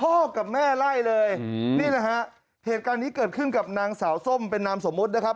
กับแม่ไล่เลยนี่แหละฮะเหตุการณ์นี้เกิดขึ้นกับนางสาวส้มเป็นนามสมมุตินะครับ